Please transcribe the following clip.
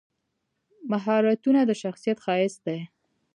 مهارتونه د شخصیت ښایست دی.